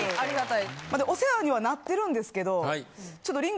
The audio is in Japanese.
お世話にはなってるんですけどちょっと。